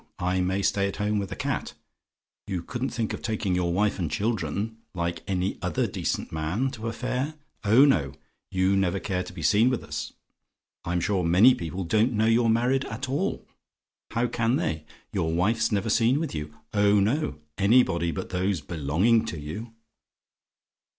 I may stay at home with the cat. You couldn't think of taking your wife and children, like any other decent man, to a fair. Oh no, you never care to be seen with us. I'm sure, many people don't know you're married at all: how can they? Your wife's never seen with you. Oh no; anybody but those belonging to you!